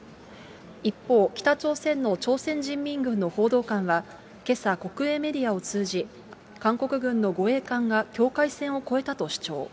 一方、北朝鮮の朝鮮人民軍の報道官は、けさ、国営メディアを通じ、韓国軍の護衛艦が境界線を越えたと主張。